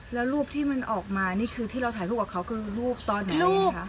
แล้วรูปที่มันออกมานี่คือที่เราถ่ายรูปกับเขาคือรูปตอนไหนรู้ไหมคะ